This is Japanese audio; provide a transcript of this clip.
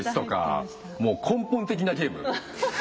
もう根本的なゲーム。